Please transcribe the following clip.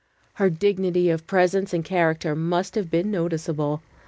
Her dignity of presence and character must have been noticeable.